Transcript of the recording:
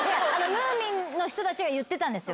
ムーミンの人たちが言ってたんですよ。